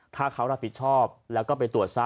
ถ้าเขารับผิดชอบแล้วก็ไปตรวจซะ